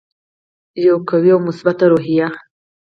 یوه قوي او مثبته روحیه.